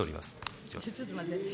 以上です。